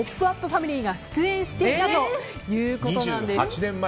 ファミリーが出演していたということです。